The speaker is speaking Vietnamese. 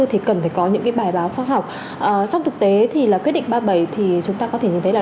thì cần phải có những cái bài báo khoa học trong thực tế thì là quyết định ba mươi bảy thì chúng ta có thể nhìn thấy là